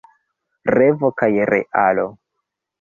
Revo kaj realo.